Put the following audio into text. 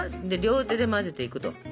両手で混ぜていくと。